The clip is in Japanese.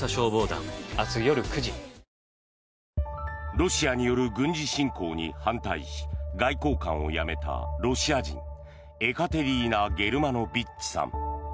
ロシアによる軍事侵攻に反対し外交官を辞めたロシア人エカテリーナ・ゲルマノビッチさん。